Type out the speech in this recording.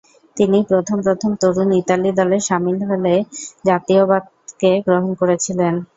তিনি প্রথম প্রথম তরুণ ইতালি দলে সামিল হয়ে জাতীয়তাবাদকে গ্রহণ করেছিলেন।